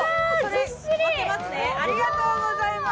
ありがとうございます。